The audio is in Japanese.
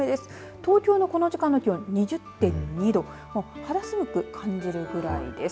東京のこの時間の気温２０．２度肌寒く感じるぐらいです。